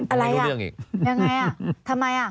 อะไรน่ะยังไงทำไม